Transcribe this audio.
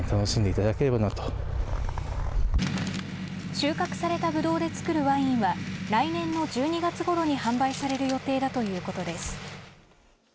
収穫されたぶどうで造るワインは来年の１２月ごろに販売される予定だということです。